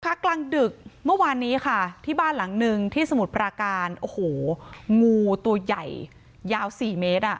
กลางดึกเมื่อวานนี้ค่ะที่บ้านหลังหนึ่งที่สมุทรปราการโอ้โหงูตัวใหญ่ยาวสี่เมตรอ่ะ